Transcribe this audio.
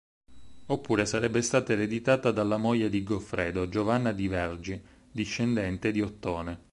Oppure sarebbe stata ereditata dalla moglie di Goffredo, Giovanna di Vergy, discendente di Ottone.